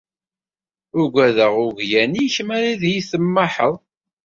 Ugadeɣ uglan-ik mi ara yi-temmaḥeḍ.